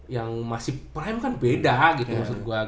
yang masih prime kan beda gitu maksud gue